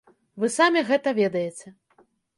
Вы самі гэта ведаеце.